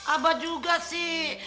abah juga sih